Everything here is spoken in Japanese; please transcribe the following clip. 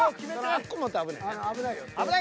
あっこ持ったら危ないな。